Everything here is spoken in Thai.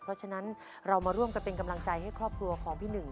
เพราะฉะนั้นเรามาร่วมกันเป็นกำลังใจให้ครอบครัวของพี่หนึ่ง